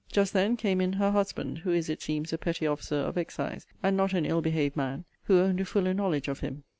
Just then came in her husband, who is, it seems, a petty officer of excise, (and not an ill behaved man,) who owned a fuller knowledge of him.